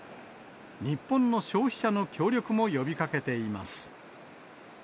日本の消費者の協力も呼びかけています。